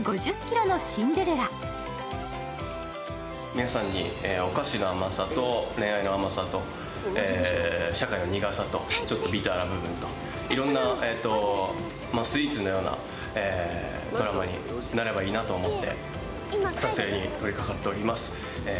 皆さんにお菓子の甘さと恋愛の甘さと社会の苦さと、ちょっとビターな部分と、いろんなスイーツのようなドラマになればいいなと思って撮影に取りかかっております。